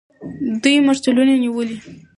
دوی مرچلونه نیولي وو.